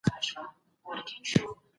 په ادبي تاریخ کې د ژبني جاج اخیستل اړین دي.